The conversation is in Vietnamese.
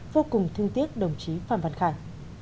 vô cùng thương tiếc đồng chí phan phan khải